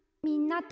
みんな。